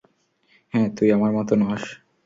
হ্যাঁ, তুই আমার মতো নস।